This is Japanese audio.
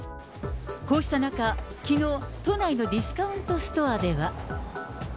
こうした中、きのう、都内のディスカウントストアでは。